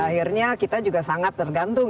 akhirnya kita juga sangat tergantung